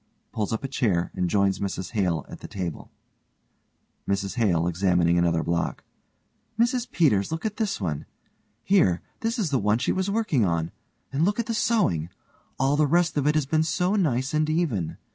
(Pulls up a chair and joins MRS HALE at the table.) MRS HALE: (examining another block) Mrs Peters, look at this one. Here, this is the one she was working on, and look at the sewing! All the rest of it has been so nice and even.